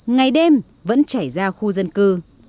ngày đêm vẫn chảy ra khu dân cư